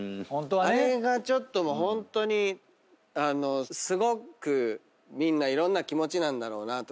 あれがちょっとホントにすごくみんないろんな気持ちなんだろうなとか。